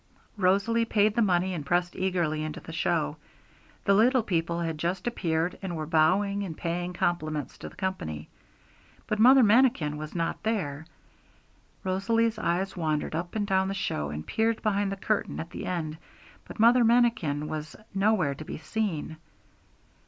Rosalie paid the money, and pressed eagerly into the show. The little people had just appeared, and were bowing and paying compliments to the company. But Mother Manikin was not there. Rosalie's eyes wandered up and down the show, and peered behind the curtain at the end, but Mother Manikin was nowhere to be seen.